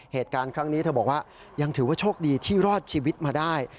เหตุการณ์ครั้งนี้เธอบอกว่ายังถือว่าโชคดีที่รอดชีวิตมาได้